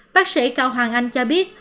bác sĩ cao hoàng anh cho biết